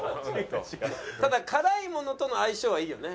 ただ辛いものとの相性はいいよね。